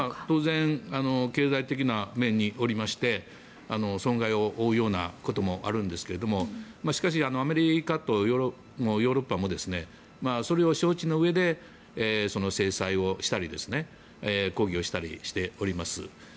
当然、経済的な面におきまして損害を負うようなこともあるんですけれどもしかし、アメリカとヨーロッパもそれを承知の上で制裁をしたりとか抗議をしたりしております。